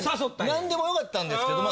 なんでもよかったんですけどま